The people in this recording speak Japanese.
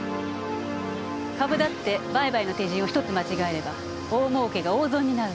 株だって売買の手順を１つ間違えれば大儲けが大損になるの。